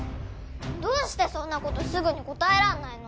どうしてそんなことすぐに答えらんないの？